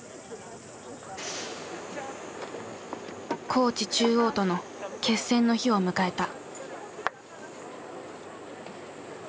高知中央との決戦の日を迎えた。